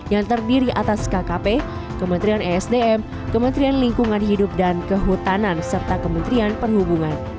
yang terdiri atas kkp kementerian esdm kementerian lingkungan hidup dan kehutanan serta kementerian perhubungan